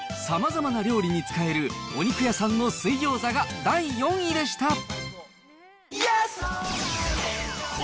さまざまな料理に使えるお肉屋さんの水餃子が第４位でした。